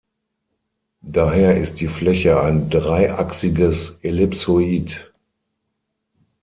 Daher ist die Fläche ein dreiachsiges Ellipsoid.